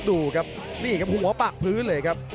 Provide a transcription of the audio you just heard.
ดูครับนี่ครับหัวปากพื้นเลยครับ